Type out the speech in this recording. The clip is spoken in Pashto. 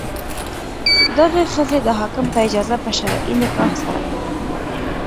دغې ښځې د حاکم په اجازه په شرعي نکاح سره.